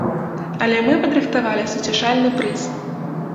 Але мы падрыхтавалі суцяшальны прыз.